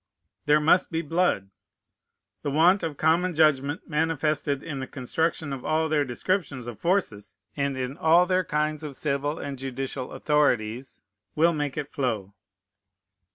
There must be blood. The want of common judgment manifested in the construction of all their descriptions of forces, and in all their kinds of civil and judicial authorities, will make it flow.